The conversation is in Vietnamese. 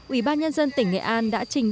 ủy ban nhân dân tỉnh nghệ an đã trình